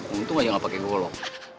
untung aja gak pake golok